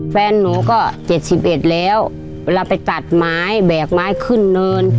แฟนหนูก็เจ็ดสิบเอ็ดแล้วเวลาไปตัดไม้แบกไม้ขึ้นเดิน